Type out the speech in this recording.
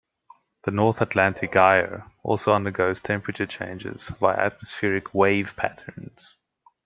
The North Atlantic Gyre also undergoes temperature changes via atmospheric wave patterns.